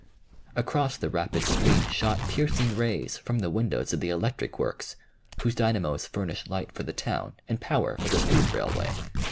Across the rapid stream shot piercing rays from the windows of the electric works, whose dynamos furnish light for the town and power for the street railway.